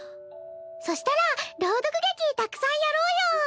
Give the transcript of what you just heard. そしたら朗読劇たくさんやろうよ。